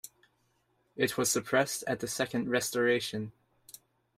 It was suppressed at the second Restoration.